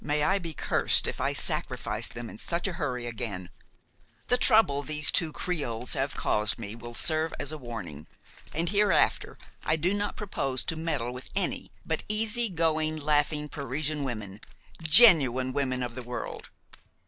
May I be cursed if I sacrifice them in such a hurry again! The trouble these two creoles have caused me will serve as a warning, and hereafter I do not propose to meddle with any but easy going, laughing Parisian women–genuine women of the world.